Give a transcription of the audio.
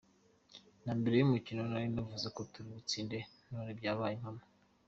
Na mbere y’umukino nari nabivuze ko turi butsinde none byabaye impamo.